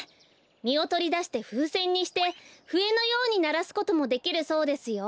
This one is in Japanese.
みをとりだしてふうせんにしてふえのようにならすこともできるそうですよ。